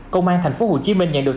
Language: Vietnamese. công an tp hcm nhận được